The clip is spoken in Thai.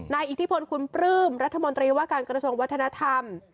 อิทธิพลคุณปลื้มรัฐมนตรีว่าการกระทรวงวัฒนธรรม